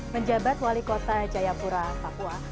menjabat wali kota jayapura papua